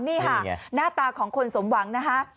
นี่ค่ะหน้าตาของคนสมหวังนะคะ